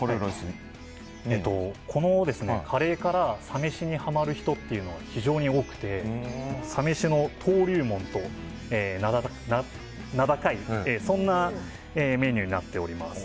このカレーからサ飯にハマる人が非常に多くてサ飯の登竜門と名高いそんなメニューになっております。